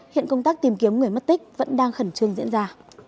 hiện công tác tìm kiếm người mất tích vẫn đang khẩn trương diễn ra